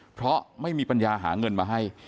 เพราะไม่มีปัญญาหาเงินมาให้